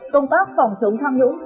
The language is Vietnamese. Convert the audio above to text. công tác phòng chống tham nhũng